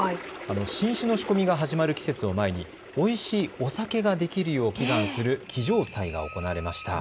新酒の仕込みが始まる季節を前においしいお酒ができるよう祈願する祈醸祭が行われました。